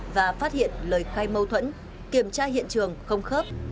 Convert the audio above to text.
và phát hiện lời khai mâu thuẫn kiểm tra hiện trường không khớp